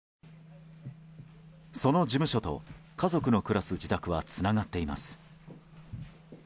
その事務所と家族の暮らす自宅はつながっています。